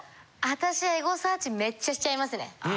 私はエゴサーチめっちゃしちゃいますね。